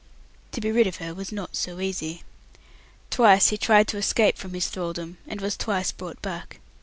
To be rid of her was not so easy. Twice he tried to escape from his thraldom, and was twice brought back.